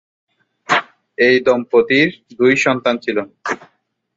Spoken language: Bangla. এ দম্পতির দুই সন্তান ছিল।